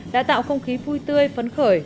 đã tạo không khí vui tươi phấn khởi